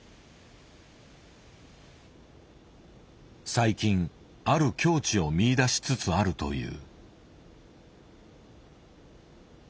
最近ある境地を見いだしつつあるという。